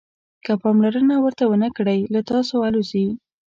که پاملرنه ورته ونه کړئ له تاسو الوزي.